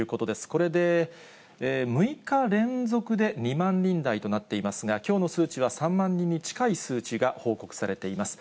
これで６日連続で２万人台となっていますが、きょうの数値は３万人に近い数値が報告されています。